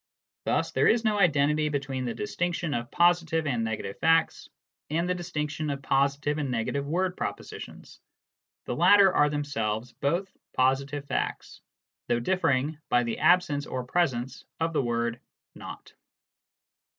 Thus there is no identity between the 'distinction of positive and negative facts and the distinction of positive and negative word propositions : the latter are themselves both positive facts, though differing by the absence or presence of the word " not."